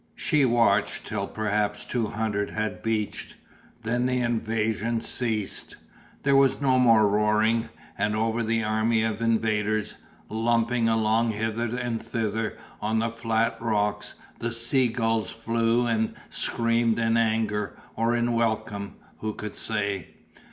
She watched till perhaps two hundred had beached, then the invasion ceased; there was no more roaring, and over the army of invaders, lumping along hither and thither on the flat rocks, the sea gulls flew and screamed in anger or in welcome, who could say?